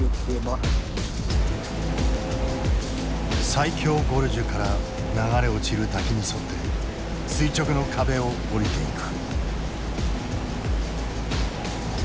最狭ゴルジュから流れ落ちる滝に沿って垂直の壁を降りていく。